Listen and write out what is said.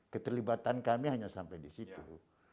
keterlibatan kami hanya sampai di situ